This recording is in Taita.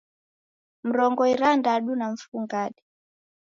Mrongo irandadu na mfungade